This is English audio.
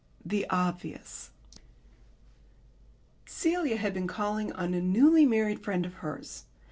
THE OBVIOUS Celia had been calling on a newly married friend of hers.